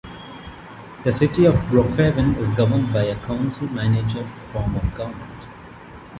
The City of Brookhaven is governed by a council-manager form of government.